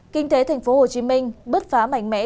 kinh tế tp hcm bất phá mạnh mẽ